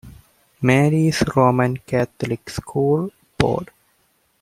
Mary's Roman Catholic School Board.